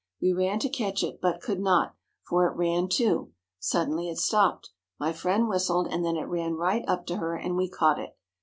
We ran to catch it, but could not, for it ran too. Suddenly it stopped. My friend whistled, and then it ran right up to her, and we caught it.